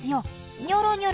ニョニョロニョロ？